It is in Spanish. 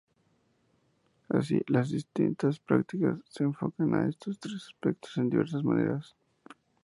Así, las distintas prácticas se enfocan a estos tres aspectos en diversas maneras.